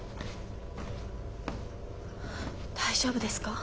大丈夫ですか？